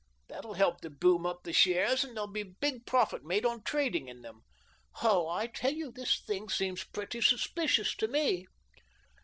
That'll help to boom up the shares and there'll be big profit made on trading in them. Oh, I tell you this thing seems pretty suspicious to me."